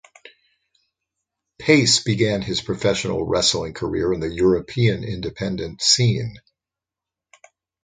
Pace began his professional wrestling career in the European independent scene.